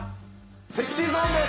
ＳｅｘｙＺｏｎｅです！